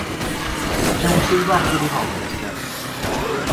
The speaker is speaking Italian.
È un sobborgo di Rochester.